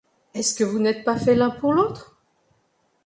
Est-ce que vous n’êtes pas faits l’un pour l’autre ?